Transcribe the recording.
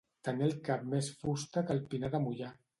Tenir al cap més fusta que el pinar de Moià.